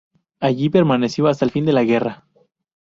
Allí permaneció hasta el fin de la guerra.